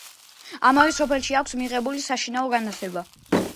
ამავე სოფელში აქვს მიღებული საშინაო განათლება.